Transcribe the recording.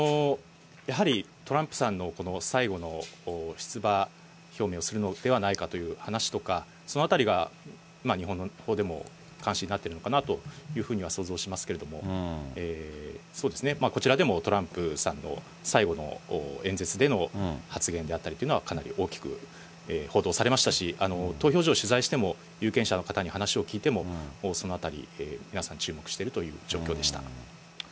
やはりトランプさんのこの最後の出馬表明をするのではないかという話とか、そのあたりが、日本のほうでも関心になってきているのかなというふうには想像しますけれども、そうですね、こちらでもトランプさんの最後の演説での発言であったりというのは、かなり大きく報道されましたし、投票所を取材しても、有権者の方に話を聞いても、そのあたり、皆さん注目しているという状況でした。